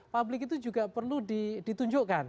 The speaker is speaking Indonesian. publik itu juga perlu ditunjukkan